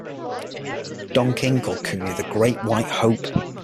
Don King called Cooney The Great White Hope.